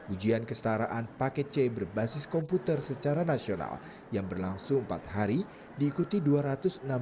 ujian kesetaraan paket c berbasis komputer secara nasional yang berlangsung empat hari diikuti dua ratus enam belas satu ratus delapan puluh peserta